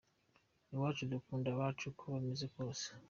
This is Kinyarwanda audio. Iwacu dukunda abacu uko bameze kose.